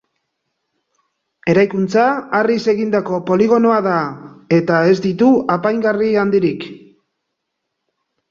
Eraikuntza harriz egindako poligonoa da eta ez ditu apaingarri handirik.